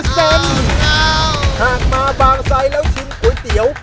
ถ้ามาบางใส่แล้วชิ้นก๋วยเตี๋ยว